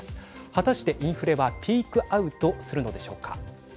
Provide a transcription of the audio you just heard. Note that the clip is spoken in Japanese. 果たしてインフレはピークアウトするのでしょうか。